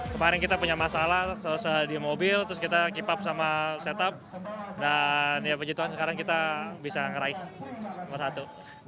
kemarin kita punya masalah selesai di mobil terus kita keep up sama setup dan ya puji tuhan sekarang kita bisa ngeraih nomor satu